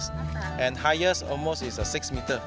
layang layang paus terbesar adalah enam meter